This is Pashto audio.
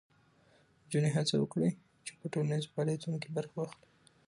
نجونې هڅه وکړي چې په ټولنیزو فعالیتونو کې برخه واخلي.